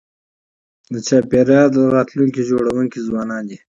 د چاپېریال د راتلونکي جوړونکي ځوانان دي.